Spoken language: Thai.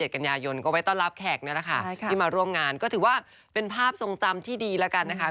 กันยายนก็ไว้ต้อนรับแขกนี่แหละค่ะที่มาร่วมงานก็ถือว่าเป็นภาพทรงจำที่ดีแล้วกันนะคะ